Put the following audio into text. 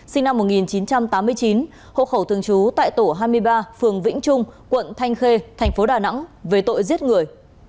sinh năm một nghìn chín trăm tám mươi chín hộ khẩu thường trú tại tổ hai mươi ba phường vĩnh trung quận thanh khê thành phố đà nẵng về tội giết người